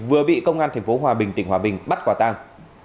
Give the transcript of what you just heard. vừa bị công an tp hòa bình tỉnh hòa bình bắt quả tang